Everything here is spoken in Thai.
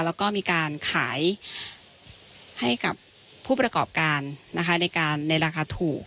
แล้วก็มีการขายให้กับผู้ประกอบการนะคะในราคาถูก